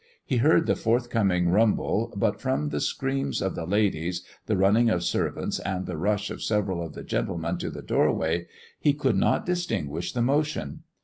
He heard the forthcoming rumble, but from the screams of the ladies, the running of servants, and the rush of several of the gentlemen to the doorway, he could not distinguish the motion.